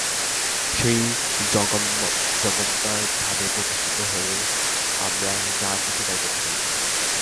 সেই জগন্মাতার ভাবে প্রতিষ্ঠিত হয়ে আমরা যা খুশী তাই করতে পারি।